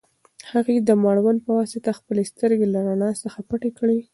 هغې د مړوند په واسطه خپلې سترګې له رڼا څخه پټې کړې.